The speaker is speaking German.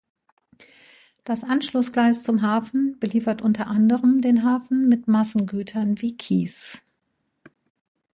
Das Anschlussgleis zum Hafen beliefert unter anderem den Hafen mit Massengütern wie Kies.